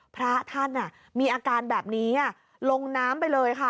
พระท่านมีอาการแบบนี้ลงน้ำไปเลยค่ะ